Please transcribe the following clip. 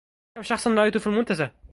كم شخصًا رأيت في المنتزه؟